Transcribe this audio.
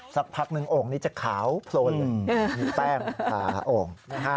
สักพักนึงโอ้งนี่จะขาวโปรดเลยแป้งโอ้ง